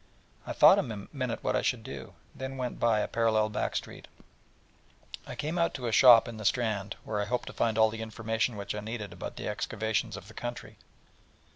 I thought a minute what I should do: then went by a parallel back street, and came out to a shop in the Strand, where I hoped to find all the information which I needed about the excavations of the country.